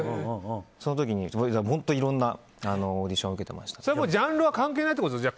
その時に本当にいろんなオーディションをジャンルは関係ないってことですか。